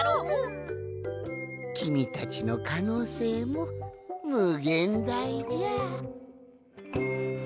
きみたちのかのうせいもむげんだいじゃ。